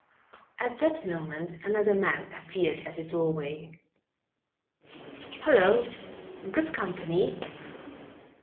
At that moment another man appeared at the doorway. "Hullo! got company?"